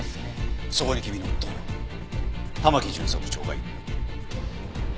そこに君の夫玉城巡査部長がいる。